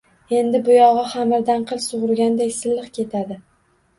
Endi buyogʻi xamirdan qil sugʻurgandek silliq ketadi.